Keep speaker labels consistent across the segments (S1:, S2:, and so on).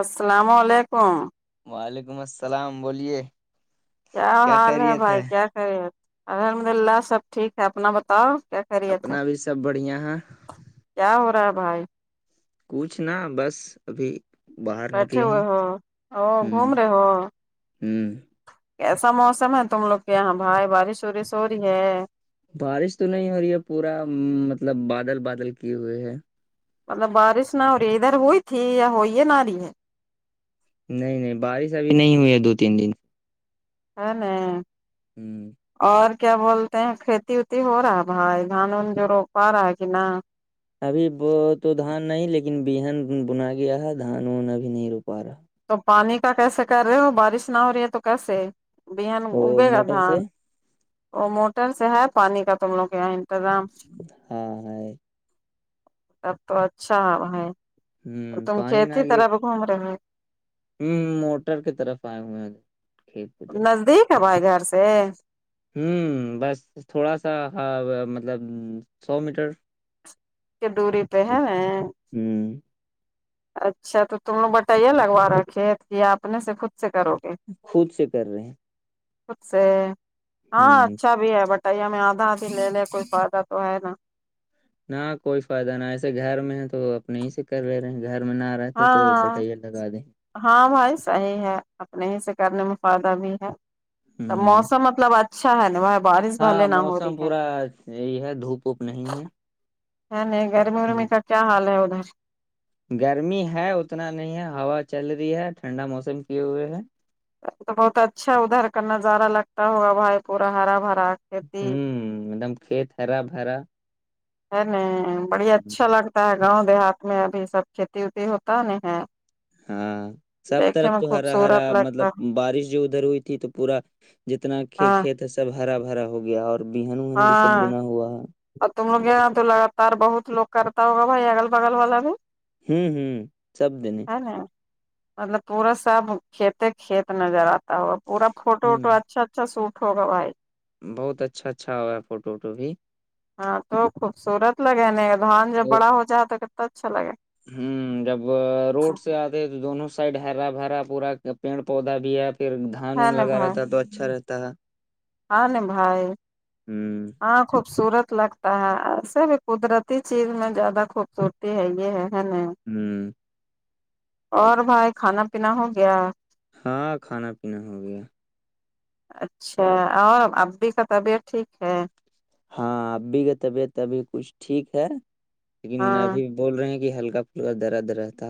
S1: السلام علیکم
S2: وعلیکم اسلام بولیے
S1: کیا حال ہے بھائی کیا کرے الحمد اللہ سب ٹھیک ہے اپنا بتاؤ کیا خیریت ہے
S2: اپنا بھی سب بڑھیاں ہے
S1: کیا ہو رہا ہے بھائی
S2: کچھنا بس ابھی باہر
S1: بیٹھے
S2: نکلے ہیں
S1: ہوئے ہو اور
S2: ہ
S1: گھوم رہے ہو
S2: ہ
S1: کیسا موسم ہے تم لوگ کے یہاں بھائی بارش وورش ہو رہی ہے
S2: بارش تو نہیں ہو رہی ہے پورا مطلب بادل بادل کیے ہوئے ہے
S1: مطلب بارش نہ ہو رہی ادھر ہوئی تھی یا ہوئی ہے نہ رہی ہے
S2: نہیں نہیں بارش ابھی نہیں ہوئی ہے دو تین دن
S1: ہے ن
S2: ہ
S1: اور کیا بولتے ہیں ک کہتی ویٹی ہو رہا ہے بھائی دھان وان جو روپا رہا ہے کہ نا
S2: ابھی وہ تو دھان نہیں لیکن بین بنا گیا ہے دھان ان ابھی نہیں رو پا رہا
S1: تو پانی کا کیسے کر رہے ہو بارش نہ ہو رہی ہے تو کیسے بین
S2: وہ
S1: اگے گا
S2: موٹر سے
S1: دھان وہ موٹر سے ہے پانی کا تم لوگ کے یہاں انتظام
S2: ہاں ہے
S1: تب تو اچھا
S2: ہ
S1: تم
S2: پانی
S1: کھیت
S2: نہ گر
S1: طرف گھوم رہے ہو
S2: ہ موٹر کی طرف آئے ہوں اج
S1: نزدیک ہے بھائی گھر سے
S2: ہوں بس تھوڑا سا مطلب سو میٹر
S1: کی دوری پہ ہے
S2: ہوں
S1: اچھا تو تم لوگ بتایے نا رکھے کہ آپنے سے خود پھر سے کرو گے
S2: خود سے کر رہے ہیں
S1: خود سے ہاں
S2: ہوں
S1: اچھا بھی ہے بٹ تو ہمیں آدھا آدھی لے لے کوئی فائدہ تو ہے نا
S2: نہ کوئی فائدہ نہ ایسے گھر میں ہے تو اپنے ہی سے کر لے رہے ہیں گھر میں نہ رہتے تو
S1: ہاں
S2: بٹیا لگا دیں
S1: ہاں بھائی صحیح ہے اپنے ہی سے کرنے میں فائدہ بھی ہے تو
S2: ہوں
S1: موسم مطلب ا چھا ہے نہ بارش بھلے
S2: ہاں
S1: نہ ہو رہی
S2: موسم
S1: ہے
S2: پورا یہی ہے دھوپ ووپ نہیں ہے
S1: ہے نہیں گرمی ورمی
S2: ہوں
S1: کا کیا حال ہے ادھر
S2: گرمی ہے اتنا نہیں ہے ہوا چل رہی ہے ٹھنڈا موسم کیے ہوئے ہے
S1: تو بہت اچھا ادھر کا نظارا لگتا ہوا بھائی پورا ہرا بھرا کھیتی
S2: ہوں ایک دم کھیت ہرا بھرا
S1: ہے نہیں بڑی
S2: ہوں
S1: اچھا لگتا ہے گاؤں دیہات میں ابھی سب کھیتی وتی ہوتا نہی ہے
S2: ہاں سب
S1: دیکھنے
S2: طرف
S1: میں
S2: تو ہرا ہرا
S1: خوبصورت لگتا
S2: مطلب
S1: ہے
S2: بارش جو ادھر ہوئی تھی تو پورا جتنا ک
S1: ہاں
S2: کھیت ہے سب ہرا بھرا ہو گیا اور بین وہن بھی سب
S1: ہاں
S2: گنا ہوا ہے
S1: اور تم لوگ یہاں لگاتار بہت لوگ کرتا ہوگا بھائی اگل بگل والا بھی
S2: ہوں ہوں سب دن
S1: ہے نا مطلب پورا سب کھیتے کھیت نظر آتا اور پورا فوٹو
S2: ہوں
S1: ووٹو اچھا اچھا سوٹ ہوگا بھائی
S2: بہت اچھا اچھا ہوگا فوٹو ووٹو بھی
S1: ہاں تو خوبصورت لگے نہیں دھان جب بڑا ہو جائے تو کتنا اچھا لگے
S2: ہوں جب وہ روڈ سے آتے دونوں سائڈ ہرا بھرا پورا پیڑ پودا بھی ہے پھر دھان
S1: ہے
S2: ون
S1: نا
S2: لگا رہا
S1: بھائی
S2: تھا تو اچھا رہ تا
S1: ہاں نہ بھائی
S2: ہوں
S1: ہاں خوبصورت لگ ہاں ایسے بھی قدرتی چیز میں زیادہ خوبصورتی ہے یہ ہے ہے نہ
S2: ہوں
S1: اور بھائی کھانا پینا ہو گیا
S2: ہاں کھانا پینا ہو گیا
S1: اچھا اور ابی کا طبیعت ٹھیک ہے
S2: ہاں ابی کا طبیعت ابھی کچھ ٹھیک ہے لیکن
S1: ہاں
S2: ابھی بول رہے ہیں کے ہلکا پھلکا درد رہتا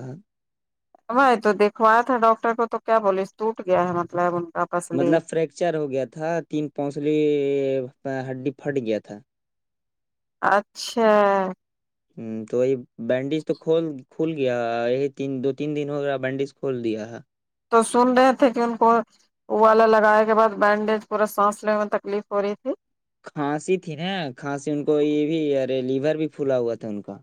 S1: بھائی تو دیکھوایا تھا ڈاکٹر کو تو کیا بولے اس ٹوٹ گیا ہے مطلب کا پسلی
S2: مطلب فریکچر ہو گیا تھا تین پونسلی ہڈی پھٹ گیا تھا
S1: اچھا
S2: ہوں تو یہ بینڈیج تو کھول کھول گیا یہی تین دو تین دن ہو گا بینڈیج کھول دیا
S1: تو سن رہے تھے کہ ان کو او والا لگائے کے بعد بینڈیج پورا سانس لینے تکلیف ہو رہی تھی
S2: کھانسی تھی نا کھانسی ان کو یہ بھی ارے لیور بھی پھلا ہوا تھا ان کا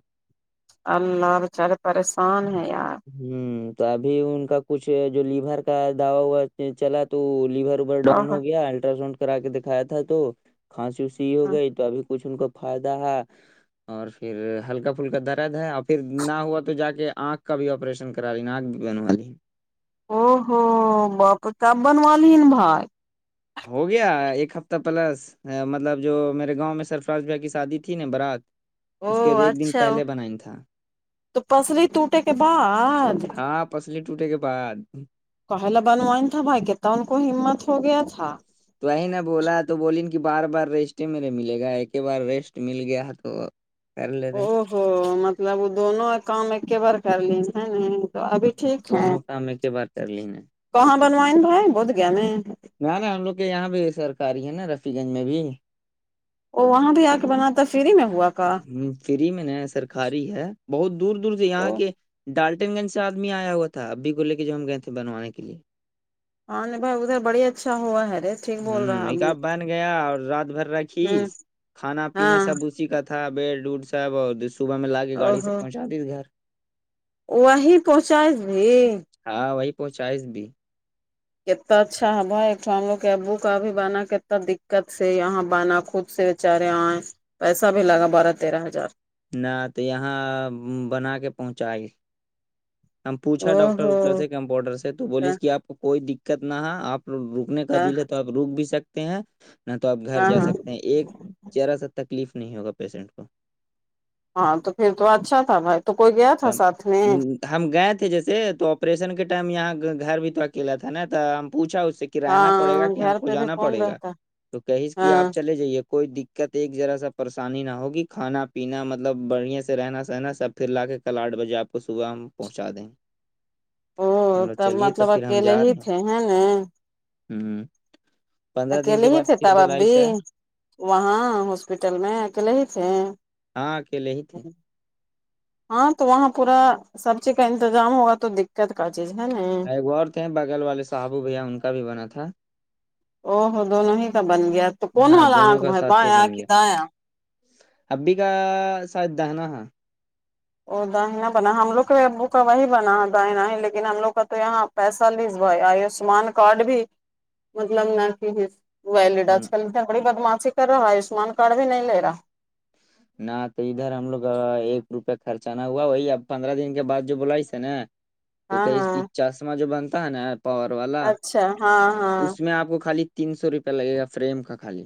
S1: اماں بچارے پریشان ہے یار
S2: ہوں تو ابھی ان کا کچھ جو لیور کا دوا چلا تو لیور پر
S1: او
S2: ڈاؤن ہو گیا الٹراساؤنڈ کرا کے دکھایا تھا تو کھانسی وسی ہو گئی تو ابھی کچھ ان کو فائدہ ہے اور پھر ہلکا پھلکا درد ہے اور پھر نہ ہوا تو جا کے آنکھ کا بھی آپریشن کرا لین عینک بھی بنوا لی
S1: او ہو واں پہ تب بنوا لیا بھائی
S2: ہو گیا ایک ہفتہ پلس مطلب جو میرے گاؤں میں سرفراز بھائی کی شادی تھی نا برات
S1: او
S2: اس کے ایک دن
S1: اچھا
S2: پہلے بنائ تھا
S1: تو پسری ٹوٹے کے بعد
S2: ہاں پسلی ٹوٹے کے بعد
S1: پہلا بنون تھا بھائی کہتا ان کو ہمت ہو گیا تھا
S2: تو وہی نے بولا تو بولی کہ بار بار ریسٹ ہی میرے ملے گا ایک ہی بار ریسٹ مل گیا تو کر لے رہے
S1: او
S2: ہیں۔
S1: ہو مطلب وہ دونوں کام ایکی بار کر لیا سہی ہے تو ابھی ٹھیک ہے
S2: دونوں کام ایک ہی بار کر لی نہ
S1: کہاں بنوائیں بھائی بہت گہنے میں
S2: نہ نا ہم لوگ کے یہاں بھی سرکاری ہے نا رفی گنج میں بھی
S1: او وہاں بھی آ کے بناتا فری میں ہوا کا
S2: فری میں نئی سرکاری ہے بہت دور دور سے یہاں
S1: او
S2: کے ڈال تین دن سے آدمی آیا ہوا تھا آپی کو لیا کہ کے جو ہم گئے تھے بنانے کے لیے
S1: ہاں نہیں بائی ادھر بڑی اچھا ہوا ہے رے ٹھیک بول
S2: ہم
S1: رہا
S2: ایک اب بن گیا اور رات بھر رکھی
S1: ہ
S2: کھانا پینا
S1: ہاں
S2: سب اسی کا تھا بیڈ اڑ سب اور صبح میں لا کے
S1: او
S2: گاڑی سے
S1: ہو
S2: پہنچا دیا گھر
S1: وہی پہنچائے بھی
S2: ہاں وہی پہنچائس بھی
S1: کتتا اچھا ہے بھائی ایک ٹھو ہم کے ابو کا بھی بانا کتتا دکات سے یہاں بانا خود سے بچارے آئے پیسا بھی لگا بارہ تیرہ ہزار
S2: نہ تو یہاں بنا کے پہنچاائے ہم پوچھا
S1: او
S2: ڈاکٹر
S1: ہو
S2: وکٹر سے کمپاؤڈر سے تو بولیس کہ آپ کوئی دقت نہ آپ رکنے کا
S1: ہاں
S2: دل ہے تو آپ روک بھی سکتے ہیں نہ تو آپ گھر
S1: ہاں
S2: جا سکتے ہیں ایک ذرا سا تکلیف نہیں ہوگا پیشنٹ کو
S1: ہاں تو پھر تو اچھا تھا بھائی تو کوئی گیا
S2: تو
S1: تھا
S2: ہم
S1: ساتھ میں
S2: ہم گئے تھے جیسے تو آپریشن کے ٹائم یہاں گھر بھی تو اکیلا تھا نا تو ہم پوچھا اس سے کی رہنا پڑے گا
S1: ہاں
S2: کہ ہم
S1: گھر
S2: کو
S1: پہ بھی
S2: جانا
S1: کون
S2: پڑے گا
S1: رہتا
S2: تو کہیس کہ
S1: ہاں
S2: آپ چلے جائیے کوئی دیکت ایک جرا سا پریشانی نہ ہوگی کھانا پینا مطلب بڑھیا سے رہنا سہنا سب پھر لا کے کل آٹھ بجے آپ کو صبح ہم پہنچا دیں گئے
S1: او تب مطلب
S2: پھر
S1: اکیلے
S2: جا
S1: ہی
S2: رہے
S1: تھے ہے نہ
S2: ہم پندرہ دن
S1: اکیلے
S2: کے
S1: ہی
S2: بعد
S1: تھے
S2: پھر
S1: تب آب
S2: بولائی
S1: بھی
S2: سے
S1: وہاں ہاسپٹل میں اکیلے ہی تھے
S2: ہاں اکیلے ہی تھے
S1: ہاں تو وہاں پورا سب چیز کا انتظام ہوگا تو دقت کا چیز ہے نا
S2: اور تھے بغل والے صابو بھیا ان کا بھی بنا تھا
S1: او ہو دونوں ہی کا بن گیا تو کون
S2: ہاں
S1: والا
S2: دونوں
S1: آنکھ
S2: کا
S1: بھائی بایاں کہ دایاں
S2: آپی کا سائیڈ دانہا ہے
S1: اور داہنا بنا ہم لوگ کا ابوکا و ہی بنا داہنا ہی لیکن ہم لوگ کا تو یہاں پیسہ لیزوائے آیوشمان کارڈ بھی مطلب نہ کہ ویلڈ
S2: ہم،
S1: آج کل تھگڑی بدماشی کر رہا آیوشمان کارڈ بھی نہیں لے رہا
S2: نہ تو ادھر ہم لوگ ایک روپئے خرچہ نہ ہوا وہی اب پندرہ دن کے بعد جو بولاائیس ہے نا کوے
S1: ہاں
S2: کی اس کی
S1: ہاں
S2: چسمہ جو بنتا ہے نا پاور والا
S1: اچھا ہاں ہاں
S2: اس میں آپ کو خالی تین سو روپیہ لگے گا فریم کا خالی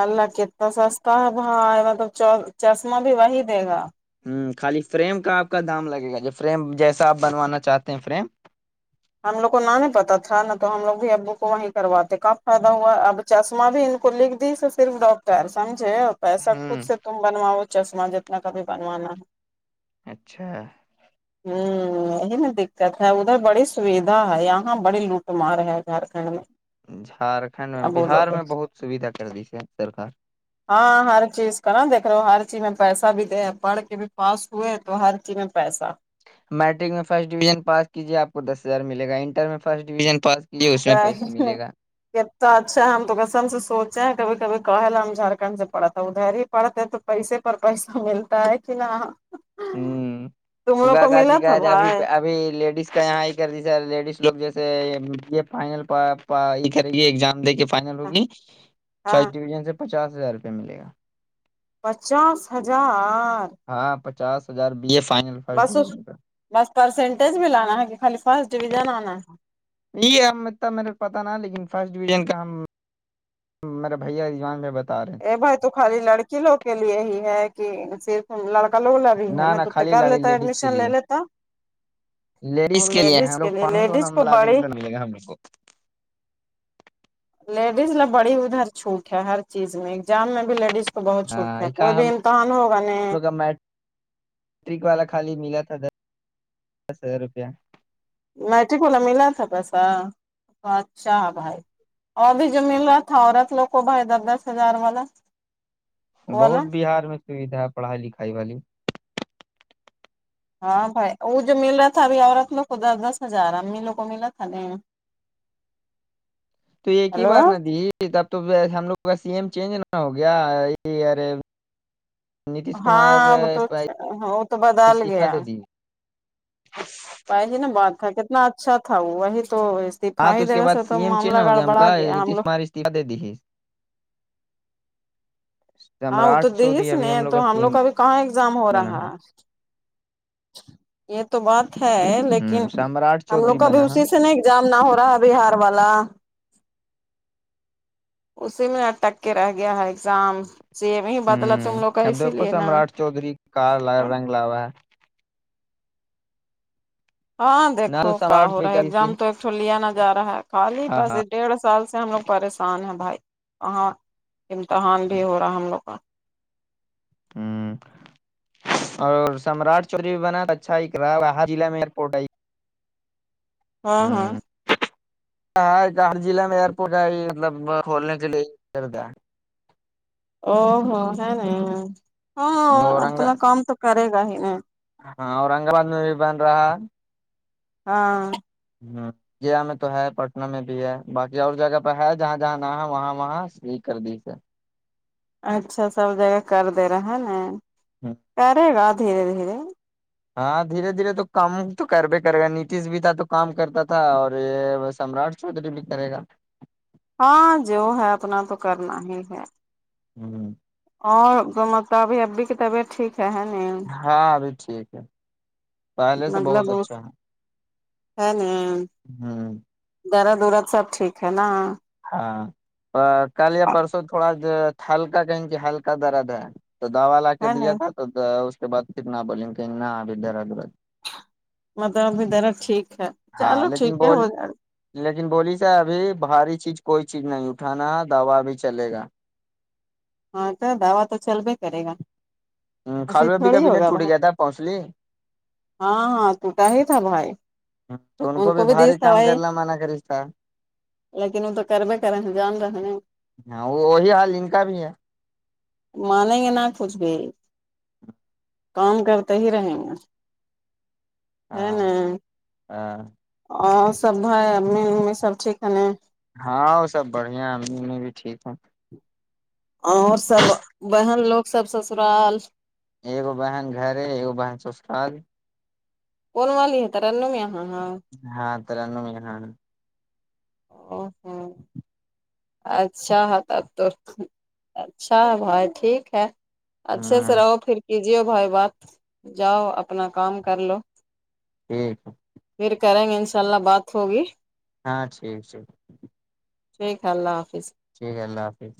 S1: اللہ کتا سستا ہے بھائی مطلب چش چشمہ بھی وہی دے گا
S2: ہم خالی فریم کا آپ کا دام لگے گا جب فریم جیسا آپ بنوانا چاہتے ہیں فریم
S1: ہم لوگ کو نہ نہیں پتہ تھا نہا تو ہم لوگ بھی ابو کو وہیں کرواتے کب فائدہ ہوا اب چشمہ بھی ان کو لکھ دی سو صرف ڈاکٹر سمجھے پیسا
S2: ہوں
S1: کچھ سے تم بنواے چشمہ جتنا کبھی بنوانا
S2: اچھا
S1: ہوں یہی نا دقت ہے ادھر بڑی سویدا یہاں بڑی لو ٹ مار ہے جھار کنڈ میں
S2: جھارکھنڈ میں
S1: کیا بولو
S2: بہار
S1: گے
S2: میں بہت سویدھا کر دی سے سرکا ر
S1: ہاں ہر چیز کرا دیکھ لو ہر چیز میں پیسا بھی دے پڑھ کے بھی پاس ہوئے تو ہر چی میں پیسہ
S2: میٹرک میں فرسٹ ڈویژن پاس کیجیے آپ کو دس ہزار ملے گا انٹر میں فرٹ ڈویژن پاس کیجیے اس میں
S1: سا
S2: پیسہ
S1: ہی ہے
S2: ملے گا
S1: کتا اچھا ہے ہم تو کسم سے سوچے ہیں کبھی کبھی کہل ہم جھارکھنڈ سے پڑھے تھے ا دھر ہی پڑھتے تو پیسے پر پیسہ ملتا ہے کہ نہ
S2: ہم
S1: تم لوگ
S2: اگا
S1: کو ملا
S2: گاچی کا
S1: تھا
S2: ہے ج ابھی
S1: بھائی
S2: ابھی لیڈیز کا یہاں ایک کر دی سا ری لیڈیز لوگ جیسے یہ پھائنل پ پ یہ کرے گی ایگزام دے کے فائنل ہوگی
S1: ہاں
S2: فرسٹ ڈویژن سے پچاس ہزار روپئے ملے گا
S1: پچاس ہجار
S2: ہاں پچاس ہجار B A final first
S1: بس اس
S2: ڈویژن کا
S1: بس پرسینٹیج بھی لانا ہے کہ خالی فرسٹ ڈویژن آنا ہے
S2: یہی ہم اتنا میرے پتہ نا لیکن فرسٹ ڈویژن کا ہم میرے بھیا ایگزام میں بتا رہے
S1: یہ بھائی تو خالی لڑکی لوگ کے لیے ہی ہے کہ صرف لڑکا لوگ بھی
S2: تھے
S1: ہے
S2: نہ
S1: نا
S2: نہ
S1: تو
S2: خالی
S1: کر
S2: لاڑی
S1: لیتا
S2: لیڈیز کے
S1: ایڈمیشن
S2: لیے
S1: لے لیتا اور لیڈیز
S2: ہم
S1: کے
S2: لوگ
S1: لیے
S2: پانچ سو
S1: لیڈیز کو
S2: نمبر لا دیں
S1: بڑی
S2: گے تو نہیں ملے گا ہم لوگ کو
S1: لیڈیز ل بڑی ادھر چھوٹ ہے ہر چیز میں ایگزام میں بھی لیڈیز تو بہت چھوٹ
S2: ہاں
S1: ہے
S2: کا
S1: کوئی بھی
S2: ہم
S1: امتحان ہوگا نہ
S2: ٹرک والا خالی ملا تھا دس دس ہزار روپیہ
S1: میٹرک والا ملا تھا پیسا اچھا بھائی اور ابھی جو مل رہا تھا عورت لوگ کو بھئی دس دس ہزار والا
S2: بہت
S1: والا
S2: بہار میں سویدھا ہے پڑھائی لکھائی والی
S1: ہاں بھائی وہ جو مل رہا تھا ابھی عورت لوگ کو دس دس ہزار امی لوگ کو ملا تھا نہ
S2: تو ایک ہی
S1: ہلو
S2: بار ن دی اب تو ہم لوگ کا سی ایم چینج نہ ہو گیا یہ ایئر
S1: ہاں اب تو ہ وہ تو بدل
S2: استعفی
S1: گیا
S2: دے دی [inaudible]
S1: وہی نا بات تھا کتنا اچھا تھاوه وہی تو
S2: ہاں
S1: دکھائی
S2: تو اس کے
S1: دینے
S2: بعد
S1: سےتو
S2: سی ایم چینج
S1: معاملہ
S2: ہو ہم
S1: گڑبڑا
S2: کا
S1: گیا ہم لوگ
S2: [unintelligible]
S1: ہاں وہ
S2: سمراٹ
S1: تو
S2: چوودری
S1: دیس
S2: ابھی
S1: نے
S2: ہم لوگ
S1: تو
S2: کا سیم
S1: بھی کہاں ایگزام ہو
S2: بنا
S1: رہا
S2: ہے
S1: یہ تو بات ہے لیکن
S2: ہ سمراٹ
S1: ہم لوگ
S2: چودھری
S1: کا ابھی
S2: بنا ہے
S1: اسی سے نہیں جام نہ ہو رہا ہے بہار والا اسی میں اٹک کے رہ گیا ہے ایگزام سی میں ہی بدلا تم
S2: ہ
S1: لوگ کا
S2: اب
S1: اسی
S2: دیکھو
S1: لیے نا
S2: سمراٹ چودھری کار رنگ لاوا
S1: ہاں
S2: نہ
S1: دیکھو
S2: تو
S1: کا
S2: سمراٹ
S1: ہو رہا ہے ایگزام
S2: کی
S1: تو اکچال لیا نہ جا رہا ہے خالی
S2: ہاں
S1: بس
S2: ہاں
S1: ڈیڑھ سال سے ہم لوگ پریشان ہیں بھائی وہاں امتحان نہیں ہو رہا ہے ہم لوگ کا
S2: ہوں اور سمراٹ چوری بنا اچھا ہی کرا وہا جیلع میں ایئرپورٹ آئ
S1: ہاں ہاں
S2: ہاں ہارضلع میں ایئرپورٹ ائی مطلب کھولنے کے لیے کردہ
S1: او ہو ہے نا
S2: ہے
S1: ہاں
S2: اورنگ
S1: اپنا کام تو کرے گا ہی نا
S2: ہاں اورنگ آباد میں بھی بن رہا ہے
S1: ہاں
S2: ہاں ضیا میں تو ہے پٹنہ میں بھی ہے باقی اور جگہ پہ ہے جہاں جہاں نہ ہے وہاں وہاں سیک کر دی سے ہے
S1: اچھا سب جگہ کر دے رہا ہے نا کرے گا دھیرے دھیرے
S2: ہاں دھیرے دھیرے تو کام تو کر بھے کرے گا نیتیش بھی تھا تو کام کرتا تھا اور سمراٹ چودھری بھی کرے گا
S1: ہاں جو ہے اپنا تو کرنا ہی ہے
S2: ہوں
S1: اور گومتا بھی ابھی کی طبیعت ٹھیک کہنے
S2: ہاں ابھی ٹھیک ہے پہلے سے بہت
S1: مطلب
S2: اچھا ہے
S1: ہے نی
S2: ہوں
S1: درد ورد سب ٹھیک ہے نا
S2: ہاں کل یا پرسوں تھوڑا ہلکا کہیں کے ہلکا درد ہے تو دوا لا کے
S1: ہے نا
S2: دیا تھا تو اس کے بعد کتنا بولیں کہیں نہ ابھی درد ورد
S1: مطلب ابھی درد ٹھیک ہے
S2: ہاں
S1: چلو ٹھیک
S2: لیکن
S1: ہے
S2: بول
S1: ہو جائے
S2: لیکن بولی س ابھی بھاری چیز کوئی چیز نہیں اٹھانا دوا بھی چلے گا
S1: ہاں کیا دوا تو چل بھے کرے گا
S2: ہاں
S1: ایسے
S2: کھالو ابی کا
S1: تھوڑی ہوگا
S2: ٹوٹ
S1: بھائی
S2: گیا تھا پونسلی
S1: ہاں توٹا ہی تھا بھائی
S2: وں تو ان کو بھی بھاری کام کرنا منع کرشتا
S1: لیکن ادے کربے کرے ہے انجام دو ہے نہ
S2: ہاں وہ وہی حال ان کا بھی ہے
S1: مانیں گے نا کچھ بھی کام کرتے ہی رہیں گے ہے
S2: ہاں
S1: نہ
S2: ہاں
S1: اور سب بھائی امی امی سب ٹھیک ہے نہ
S2: ہاں وہ سب بڑھیا ہے امی انو بھی ٹھیک ہے
S1: اور سب بہن لوگ سب سسرال
S2: ایک بہن گھر ہے ایک بہن سسرال
S1: کون والے ہے تررانم یہاں ہاں
S2: ہاں تررانم یہاں ہے
S1: او ہو اچھا تب تو اچھا بھائی ٹھیک ہے اچھے سے
S2: ہوں
S1: رہو پھر کیجیے بھائی بات جاؤ اپنا کام کر لو
S2: ٹھیک ہے
S1: پھر کریں گے انشاء اللہ بات ہوگی
S2: ہاں ٹھیک ٹھیک
S1: ٹھیک اللہ حافظ
S2: ٹھیک ہے اللہ حافظ